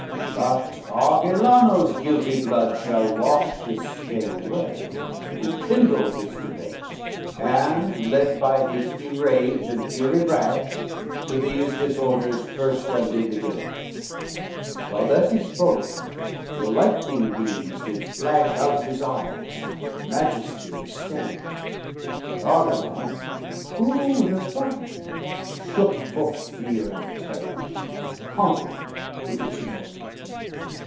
LXXXI "But Argillano's guilty blood shall wash This stain away, who kindled this debate, And led by hasty rage and fury rash, To these disorders first undid the gate;" While thus he spoke, the lightning beams did flash Out of his eyes of majesty and state, That Argillan,—who would have thought it?—shook For fear and terror, conquered with his look.